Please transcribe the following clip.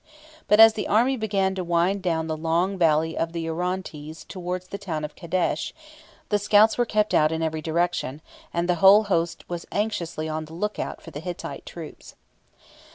But as the army began to wind down the long valley of the Orontes towards the town of Kadesh, the scouts were kept out in every direction, and the whole host was anxiously on the lookout for the Hittite troops.